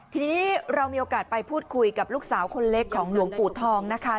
ทีนี้เรามีโอกาสไปพูดคุยกับลูกสาวคนเล็กของหลวงปู่ทองนะคะ